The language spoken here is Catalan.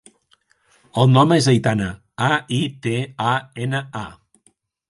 El nom és Aitana: a, i, te, a, ena, a.